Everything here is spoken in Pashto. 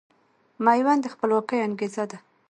ميوند د خپلواکۍ انګېزه ده